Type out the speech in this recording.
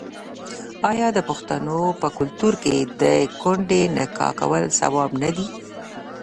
آیا د پښتنو په کلتور کې د کونډې نکاح کول ثواب نه دی؟